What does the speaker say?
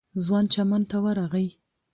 ځوان چمن ته ورغی.